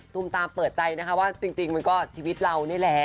มตามเปิดใจนะคะว่าจริงมันก็ชีวิตเรานี่แหละ